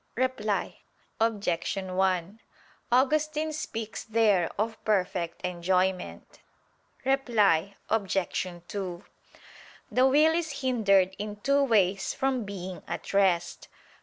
Reply Obj. 1: Augustine speaks there of perfect enjoyment. Reply Obj. 2: The will is hindered in two ways from being at rest.